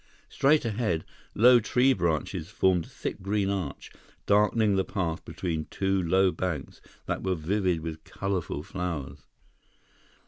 Straight ahead, low tree branches formed a thick green arch, darkening the path between two low banks that were vivid with colorful flowers.